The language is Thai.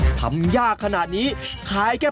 ส่วนผสมจะไม่เข้ากันถือว่าใช้ไม่ได้นะครับ